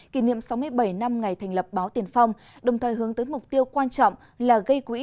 kỷ niệm sáu mươi bảy năm ngày thành lập báo tiền phong đồng thời hướng tới mục tiêu quan trọng là gây quỹ